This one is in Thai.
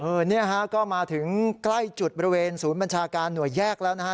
เนี่ยฮะก็มาถึงใกล้จุดบริเวณศูนย์บัญชาการหน่วยแยกแล้วนะฮะ